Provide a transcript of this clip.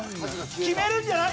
決めるんじゃない？